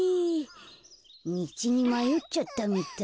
みちにまよっちゃったみたい。